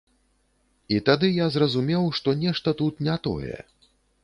І тады я зразумеў, што нешта тут не тое.